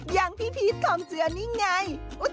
อย่างพี่พีชทองเจือนี่ไง